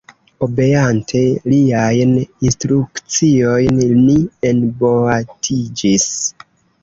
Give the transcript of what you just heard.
Obeante liajn instrukciojn, ni enboatiĝis.